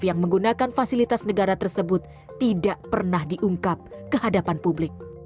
yang menggunakan fasilitas negara tersebut tidak pernah diungkap ke hadapan publik